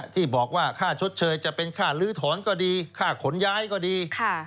ที่บอกว่าค่าชดเชยจะเป็นค่าลื้อถอนก็ดีค่าขนย้ายก็ดี